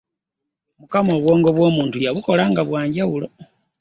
Mukama obwongo bw'omuntu yabukola nga bwanjawulo .